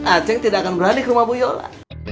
aceh tidak akan berani ke rumah bu yola